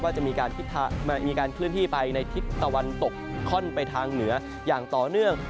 จะมีการเคลื่อนที่ไปในทิศตะวันตกค่อนไปทางเหนืออย่างต่อเนื่อง